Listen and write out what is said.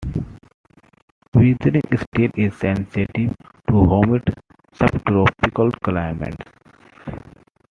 Weathering steel is sensitive to humid subtropical climates.